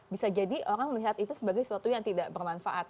bisa jadi orang melihat itu sebagai sesuatu yang tidak bermanfaat